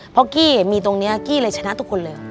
เพราะกี้มีตรงนี้กี้เลยชนะทุกคนเลย